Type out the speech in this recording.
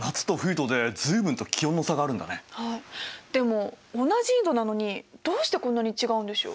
でも同じ緯度なのにどうしてこんなに違うんでしょう？